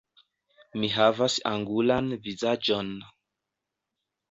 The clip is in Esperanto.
Mi havas angulan vizaĝon.